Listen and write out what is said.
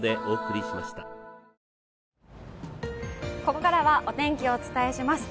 ここからはお天気をお伝えします。